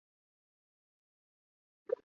男主演洼田正孝由作者选定。